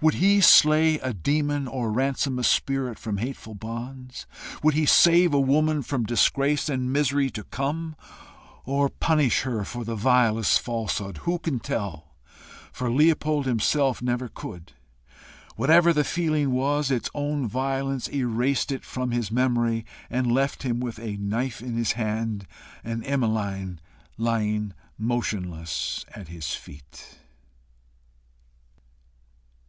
Would he slay a demon, or ransom a spirit from hateful bonds? Would he save a woman from disgrace and misery to come? or punish her for the vilest falsehood? Who can tell? for Leopold himself never could. Whatever the feeling was, its own violence erased it from his memory, and left him with a knife in his hand, and Emmeline lying motionless at his feet.